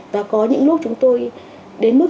và có những lúc chúng tôi đến mức